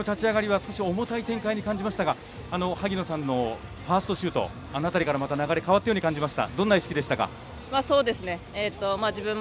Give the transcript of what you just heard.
少し重たい展開に感じましたが萩野さんのファーストシュートあの辺りから流れが変わったように感じました。